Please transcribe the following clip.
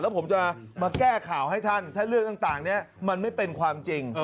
แล้วผมจะมาแก้ข่าวให้ท่านถ้าเรื่องต่างนี้มันไม่เป็นความจริง